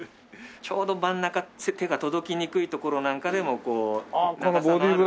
ちょうど真ん中手が届きにくい所なんかでもこう長さのある。